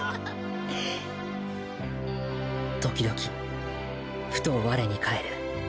時々ふと我に返る。